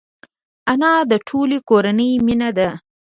انا د ټولې کورنۍ مینه ده